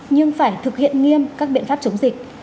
nhưng phải thực hiện nghiêm các biện pháp chống dịch